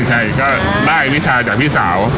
ใช่ได้ฟิศาจากพี่สาว